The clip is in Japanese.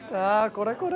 これこれ！